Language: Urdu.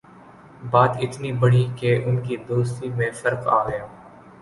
بات اتنی بڑھی کہ ان کی دوستی میں فرق آگیا